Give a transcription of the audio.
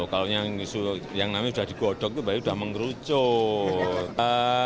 kalau yang namanya sudah digodok itu berarti sudah mengerucut